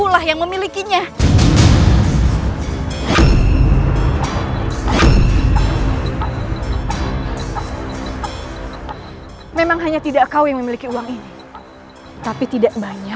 sampai jumpa di video selanjutnya